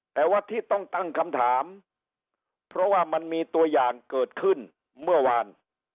แต่ว่าที่ต้องตั้งคำถามเพราะว่ามันมีตัวอย่างเกิดขึ้นเมื่อวาน